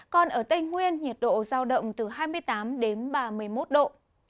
còn ở tây nguyên nhiệt độ giao động từ hai mươi tám đến ba mươi một độ